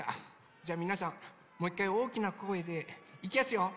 じゃあみなさんもういっかいおおきなこえでいきやすよ！